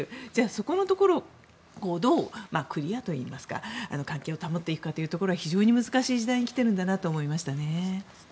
そこのところをどうクリアというか関係を保っていくかが非常に難しい時代に来てるんだなと思いましたね。